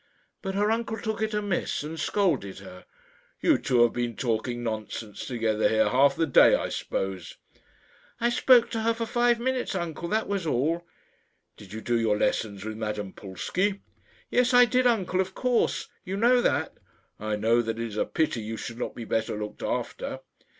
But her uncle took it amiss, and scolded her. "You two have been talking nonsense together here half the day, I suppose." "I spoke to her for five minutes, uncle; that was all." "Did you do your lessons with Madame Pulsky?" "Yes, I did, uncle of course. You know that." "I know that it is a pity you should not be better looked after."